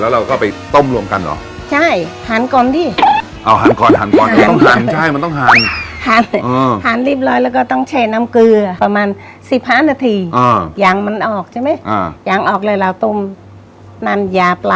และจะก้นอีกร้านก่อนก็ทำต้นละครับ